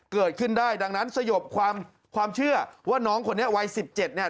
เกิดขึ้นได้ดังนั้นสยบความเชื่อว่าน้องคนนี้วัย๑๗เนี่ย